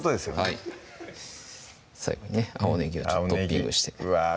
はい最後にね青ねぎをトッピングしてうわ